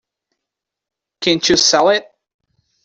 Can't you sell it?